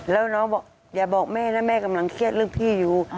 แล้วน้องบอกอย่าบอกแม่นะแม่กำลังเครียดเรื่องพี่อยู่